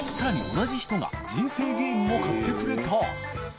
同じ人が人生ゲームも買ってくれた豊さん）